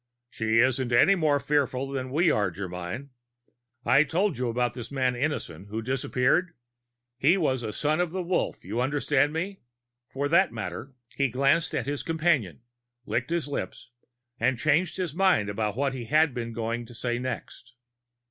"She isn't any more fearful than we are, Germyn. I told you about this man Innison who disappeared. He was a Son of the Wolf, you understand me? For that matter " He glanced at his companion, licked his lips and changed his mind about what he had been going to say next.